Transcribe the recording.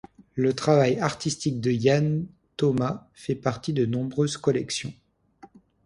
Le travail artistique de Yann Toma fait partie de nombreuses collections.